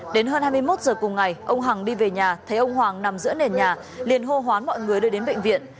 đến hơn hai mươi một giờ cùng ngày ông hằng đi về nhà thấy ông hoàng nằm giữa nền nhà liền hô hoán mọi người đưa đến bệnh viện